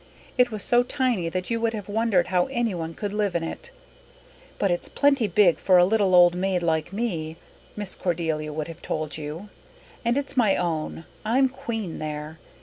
It was so tiny that you would have wondered how anyone could live in it. "But it's plenty big for a little old maid like me," Miss Cordelia would have told you. "And it's my own I'm queen there.